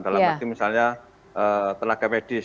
dalam arti misalnya tenaga medis